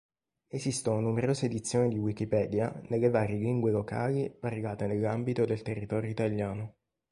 Esistono numerose edizioni di Wikipedia nelle varie lingue locali parlate nell'ambito del territorio italiano.